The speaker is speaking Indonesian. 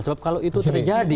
sebab kalau itu terjadi